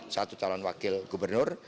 satu calon wakil gubernur